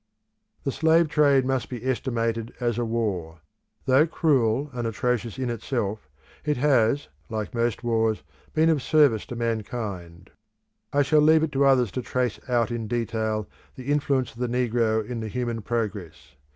The slave trade must be estimated as a war; though cruel and atrocious in itself, it has, like most wars, been of service to mankind. I shall leave it to others to trace cut in detail the influence of the negro in the human progress.